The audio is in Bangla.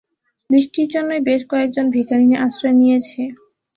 বৃষ্টির জন্যেই বেশ কয়েকজন ভিখিরিণী আশ্রয় নিয়েছে।